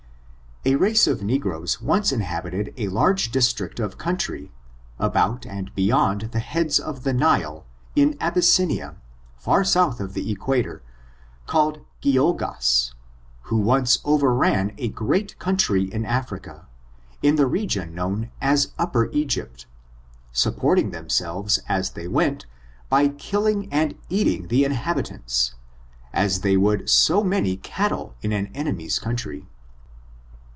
A race of negroes once inhabited a large district of country, about and beyond the heads of the Nile, in Abyssinia, far south of the equator, called Giogas, who once overran a great country in Africa, in the re gion known as Upper Egypt, supporting themselves, as they went, by killing and eating the inhabitants, as they would so many cattle in an enemy's country.